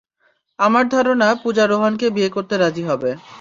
আমার ধারণা, পূজা রোহানকে বিয়ে করতে রাজি হবে।